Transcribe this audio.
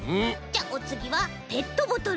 じゃあおつぎはペットボトル。